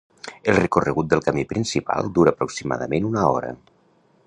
El recorregut del camí principal dura aproximadament una hora.